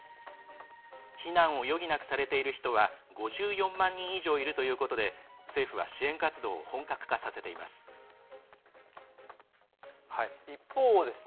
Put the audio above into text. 避難を余儀なくされている人は５４万人以上いるということで政府は支援活動を本格化させています。